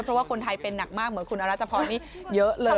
เพราะว่าคนไทยเป็นหนักมากเหมือนคุณอรัชพรนี่เยอะเลย